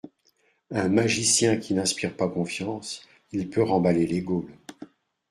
Un magicien qui n’inspire pas confiance, il peut remballer les gaules